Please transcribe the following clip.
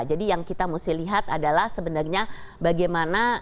jadi yang kita mesti lihat adalah sebenarnya bagaimana dengan kesempatan kita